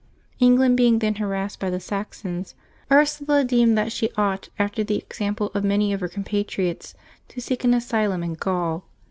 England being then harassed by the Saxons, Ursula deemed that she ought, after the example of many of her compatriots, to seek an asylum in Gaul.